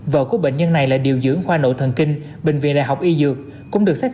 vợ của bệnh nhân này là điều dưỡng khoa nộ thần kinh bệnh viện đại học y dược